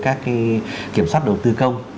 các kiểm soát đầu tư công